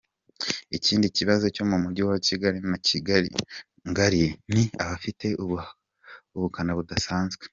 Ikindi kibazo cyo mu mujyi wa Kigali na Kigali-Ngali ni “abafite ubukana budasanzwe”.